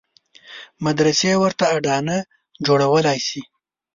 مدرسې ورته اډانه جوړولای شي.